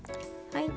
はい。